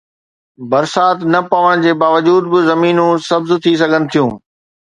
برسات نه پوڻ جي باوجود به زمينون سبز ٿي سگهن ٿيون.